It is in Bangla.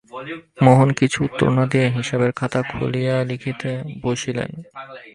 মোহন কিছু উত্তর না দিয়া হিসাবের খাতা খুলিয়া লিখিতে বসিলেন।